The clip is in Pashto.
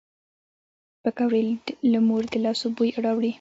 پکورې له مور د لاسو بوی راوړي